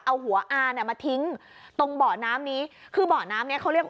เอาหัวอาเนี่ยมาทิ้งตรงเบาะน้ำนี้คือเบาะน้ำเนี้ยเขาเรียก